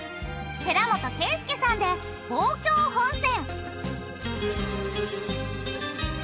寺本圭佑さんで『望郷本線』。